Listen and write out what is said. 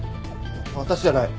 私じゃない！